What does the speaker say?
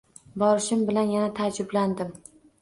Borishim bilan yana taajjublandim.